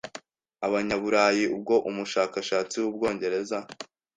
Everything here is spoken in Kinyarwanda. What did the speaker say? Abanyaburayi ubwo umushakashatsi w’Ubwongereza